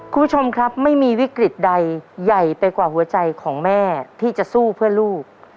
คุณผู้ชมครับไม่มีวิกฤตใดใหญ่ไปกว่าหัวใจของแม่ที่จะสู้เพื่อลูก